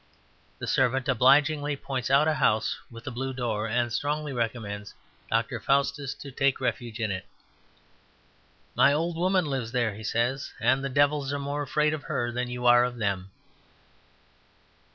The servant obligingly points out a house with a blue door, and strongly recommends Dr. Faustus to take refuge in it. "My old woman lives there," he says, "and the devils are more afraid of her than you are of them."